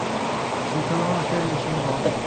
其后更确立新罗的父传子继位制度。